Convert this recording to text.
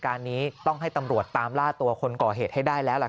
การนี้ต้องให้ตำรวจตามล่าตัวคนก่อเหตุให้ได้แล้วล่ะครับ